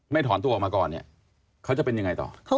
ไม่ถอนตัวออกมาก่อน